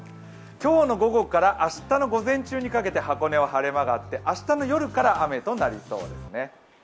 今日の午後から明日の午前中にかけて箱根は晴れ間があって明日の夜から雨となりそうですね。